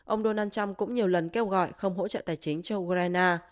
ông donald trump cũng nhiều lần kêu gọi không hỗ trợ tài chính cho ukraine